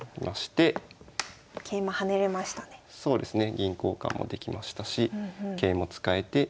銀交換もできましたし桂も使えて。